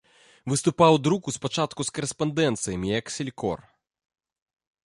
Выступаў у друку спачатку з карэспандэнцыямі як селькор.